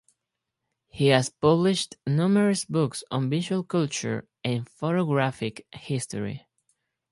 He has published numerous books on visual culture and photographic history.